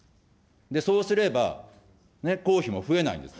で、そうすれば、公費も増えないんです。